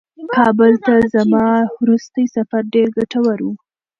کابل ته زما وروستی سفر ډېر ګټور و.